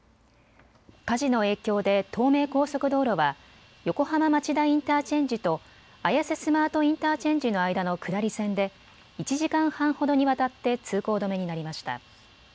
火事の影響で東名高速道路は横浜町田インターチェンジと綾瀬スマートインターチェンジの間の下り線で１時間半ほどにわたって通行止めになりました。